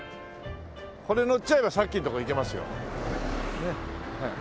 これ乗っちゃえばさっきのとこ行けますよ。